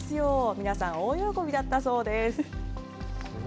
皆さん、大喜びだったそうです。